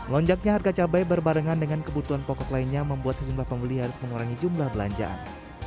lonjaknya harga cabai berbarengan dengan kebutuhan pokok lainnya membuat sejumlah pembeli harus mengurangi jumlah belanjaan